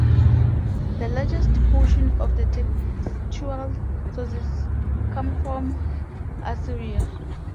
The largest portion of the textual sources come from Assyria.